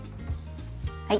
はい。